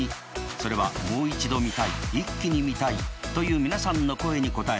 それはもう一度見たいイッキに見たいという皆さんの声に応え